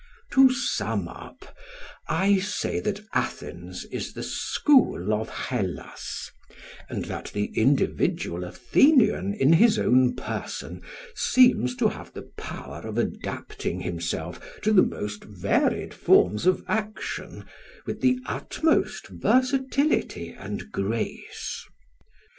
"To sum up, I say that Athens is the school of Hellas, and that the individual Athenian in his own person seems to have the power of adapting himself to the most varied forms of action with the utmost versatility and grace.